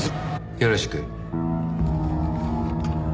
よろしく。